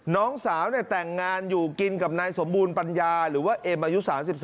น้องสาวแต่งงานอยู่กินกับนายสมบูรณ์ปัญญาหรือว่าเอ็มอายุ๓๓